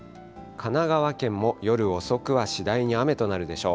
神奈川県も夜遅くは次第に雨となるでしょう。